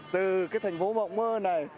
từ cái thành phố mộng mơ này